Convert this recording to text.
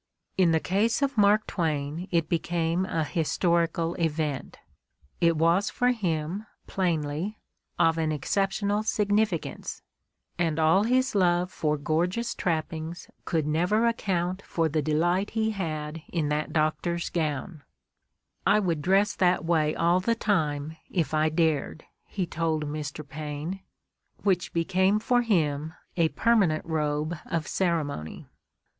In the case of Mark Twain it became a historic event : it was for him, plainly, of an exceptional significance, and all his love for gorgeous trappings could never account for the delight he had in that doctor's gown — "I would dress that way all the time, if I dared, '' he told Mr. Paine — which became for him a permanent robe of ceremony.